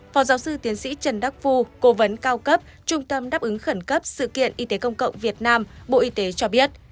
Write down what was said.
phó giáo sư tiến sĩ trần đắc phu cố vấn cao cấp trung tâm đáp ứng khẩn cấp sự kiện y tế công cộng việt nam bộ y tế cho biết